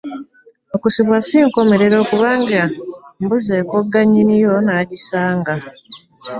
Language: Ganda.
Okusibwa si nkomerero kubanga mbuzi ekogga nnyiniyo n'agisanga.